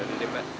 udah deh pak